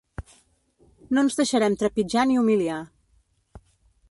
No ens deixarem trepitjar ni humiliar.